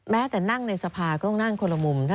แต่นั่งในสภาก็ต้องนั่งคนละมุม